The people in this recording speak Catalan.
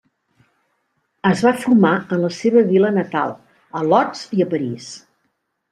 Es va formar en la seva vila natal, a Lodz i a París.